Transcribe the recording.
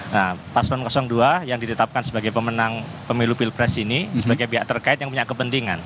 nah paslon dua yang ditetapkan sebagai pemenang pemilu pilpres ini sebagai pihak terkait yang punya kepentingan